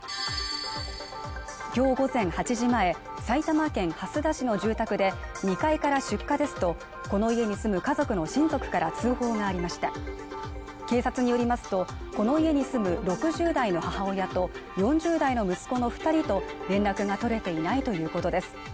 今日午前８時前埼玉県蓮田市の住宅で２階から出火ですとこの家に住む家族の親族から通報がありました警察によりますとこの家に住む６０代の母親と４０代の息子の二人と連絡が取れていないということです